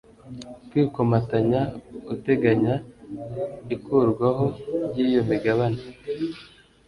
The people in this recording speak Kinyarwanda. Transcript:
kwikomatanya uteganya ikurwaho ry iyo migabane